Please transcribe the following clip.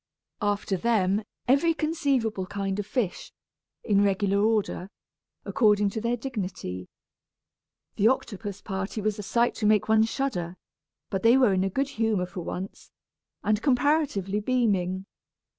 After them, every conceivable kind of fish, in regular order, according to their dignity. The octopus party was a sight to make one shudder, but they were in a good humor for once, and comparatively beaming.